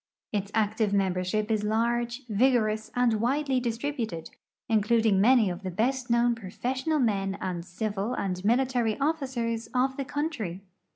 Its active membership is large, vigor ous, and widely distributed, including many of the best known profes sional men and civil and military officers of the country.